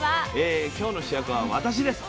今日の主役は私です。